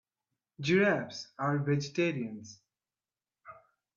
Giraffes are vegetarians.